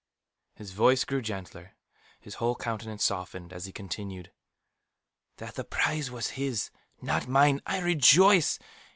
His voice grew gentler, his whole countenance softened as he continued, "That the prize was his, not mine, I rejoice.